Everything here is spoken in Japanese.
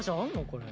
これ。